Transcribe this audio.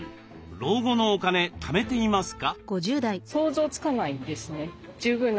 老後のお金ためていますか？